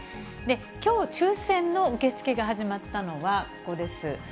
きょう抽せんの受け付けが始まったのは、ここです。